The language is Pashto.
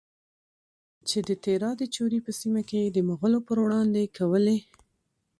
چې د تیرا د چورې په سیمه کې یې د مغولو پروړاندې کولې؛